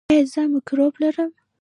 ایا زه مکروب لرم؟